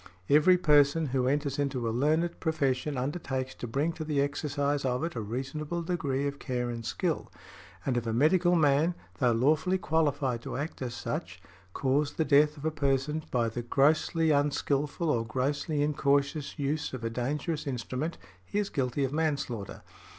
"Every person who enters into a learned profession undertakes to bring to the exercise of it a reasonable degree of care and skill" . And if a medical man, though lawfully qualified to act as such, cause |85| the death of a person by the grossly unskilful or grossly incautious use of a dangerous instrument, he is guilty of manslaughter.